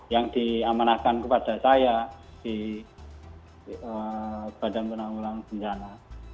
yang diamanahkan kepada saya di badan penanggulangan dendana